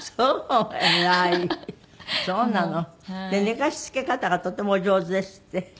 寝かしつけ方がとてもお上手ですって？